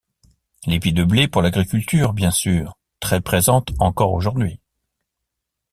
L’épi de blé pour l’agriculture bien sûr, très présente encore aujourd’hui.